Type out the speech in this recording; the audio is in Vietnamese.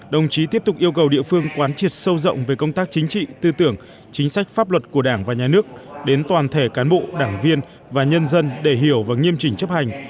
đồng chí tiếp tục yêu cầu địa phương quán triệt sâu rộng về công tác chính trị tư tưởng chính sách pháp luật của đảng và nhà nước đến toàn thể cán bộ đảng viên và nhân dân để hiểu và nghiêm chỉnh chấp hành